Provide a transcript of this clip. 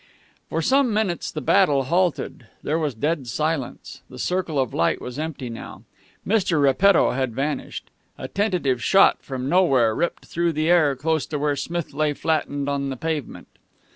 For some minutes the battle halted. There was dead silence. The circle of light was empty now. Mr. Repetto had vanished. A tentative shot from nowhere ripped through the air close to where Smith lay flattened on the pavement.